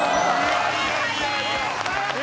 いやいやいやいや。